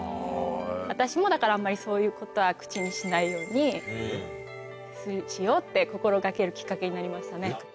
私もだからあんまりそういうことは口にしないようにしようって心掛けるきっかけになりましたね。